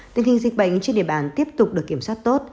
tình hình dịch bệnh trên địa bàn tiếp tục được kiểm soát tốt